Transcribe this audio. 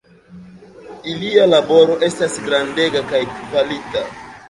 Ilia laboro estas grandega kaj kvalita.